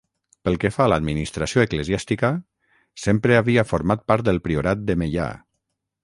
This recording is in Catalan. Pel que fa a l'administració eclesiàstica, sempre havia format part del priorat de Meià.